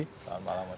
selamat malam mas yudir